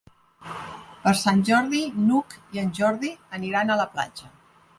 Per Sant Jordi n'Hug i en Jordi aniran a la platja.